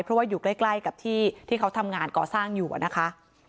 เพราะว่าอยู่ใกล้กับที่ที่เขาทำงานก่อสร้างอยู่นะคะ